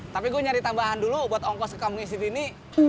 tapi gue nyari tambahan dulu buat ongkos ke kamungi siti ini